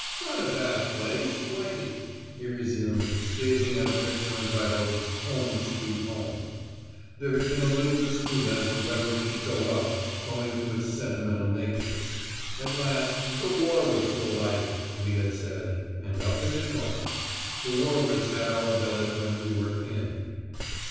"Not a bad place, Blighty," he resumed, gazing at a picture entitled "Home, Sweet Home!" There had been a little dispute as to whether it should go up, owing to its sentimental nature. At last "The Warwicks will like it," we had said, and up it had gone. The Warwicks had our billet, when we were "in."